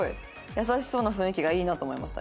「優しそうな雰囲気がいいなと思いました」。